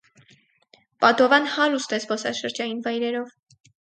Պադովան հարուստ է զբոսաշրջային վայրերով։